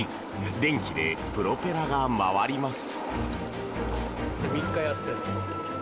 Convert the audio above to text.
電気でプロペラが回ります。